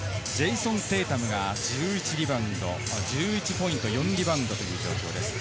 ジェイソン・テイタムが１１リバウンド、１１ポイント、４リバウンドという状況。